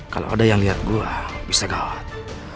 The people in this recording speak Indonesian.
kalau ada yang liat gue bisa gawat